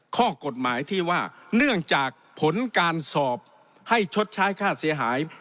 ข้อกฎหมายที่ว่าเนื่องจากผลการสอบให้ชดใช้ค่าเสียหาย